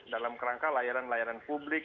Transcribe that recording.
dalam kerangka layanan layanan publik